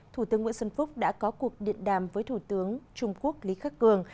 thủ tướng nguyễn xuân phúc đã có cuộc điện đàm với thủ tướng trung quốc lý khắc cường